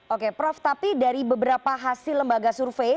oke prof tapi dari beberapa hasil lembaga survei